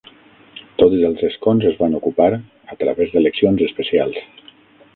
Tots els escons es van ocupar a través d'eleccions especials.